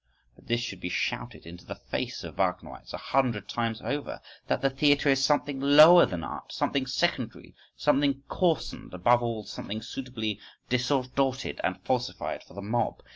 … But this should be shouted into the face of Wagnerites a hundred times over: that the theatre is something lower than art, something secondary, something coarsened, above all something suitably distorted and falsified for the mob.